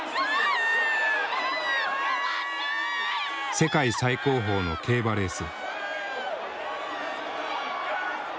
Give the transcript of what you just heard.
世界最高峰の競馬レース。